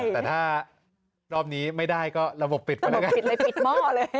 แต่ถ้ารอบนี้ไม่ได้ก็ระบบปิดไปวันไหลปิดเลยไป